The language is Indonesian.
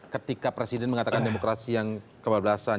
ketika presiden mengatakan demokrasi yang kebablasan